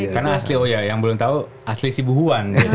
karena asli oh iya yang belum tahu asli sibu huan